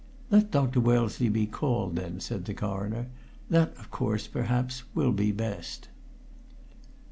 "Let Dr. Wellesley be called, then," said the Coroner. "That course, perhaps, will be best."